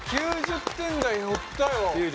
９０点台乗ったよ。